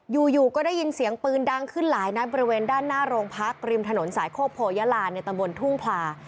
อยู่ก็ได้ยินเสียงปืนดังขึ้นหลายนัดบริเวณด้านหน้าโรงพักริมถนนสายโคกโพยาลาในตำบลทุ่งพลา